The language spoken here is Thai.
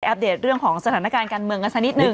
เดตเรื่องของสถานการณ์การเมืองกันสักนิดหนึ่ง